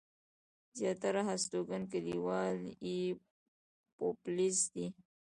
زياتره هستوګن کلیوال يې پوپلزي دي.